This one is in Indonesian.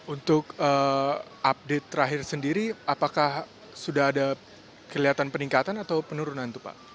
untuk update terakhir sendiri apakah sudah ada kelihatan peningkatan atau penurunan itu pak